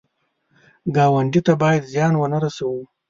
ګاونډي ته باید زیان ونه رسوو